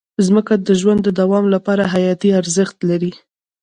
مځکه د ژوند د دوام لپاره حیاتي ارزښت لري.